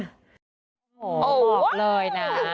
บอกเลยนะ